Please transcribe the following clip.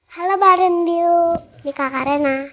halo bareng di kakarena